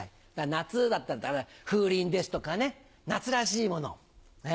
夏だったら風鈴ですとか夏らしいもの。